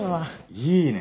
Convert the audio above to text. いいね！